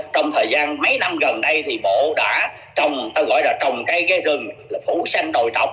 trong thời gian mấy năm gần đây thì bộ đã trồng tôi gọi là trồng cây rừng phủ sanh đồi trọc